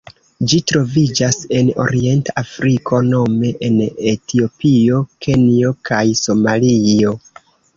Ĝi troviĝas en Orienta Afriko nome en Etiopio, Kenjo kaj Somalio.